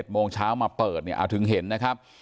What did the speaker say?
โมงเช้ามาเปิดเนี่ยเอาถึงเห็นนะครับ